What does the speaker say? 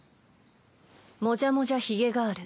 もじゃもじゃヒゲガール。